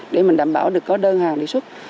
để mình đảm bảo được có đơn hàng lịch sức